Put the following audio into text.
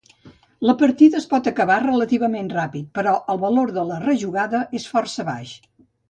La partida es pot acabar relativament ràpid, però el valor de rejugada és força baix.